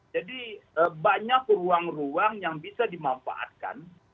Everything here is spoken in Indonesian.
jadi banyak ruang ruang yang bisa dimanfaatkan